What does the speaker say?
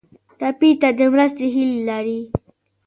ټپي د مرستې هیله لري.